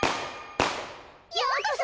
ようこそ！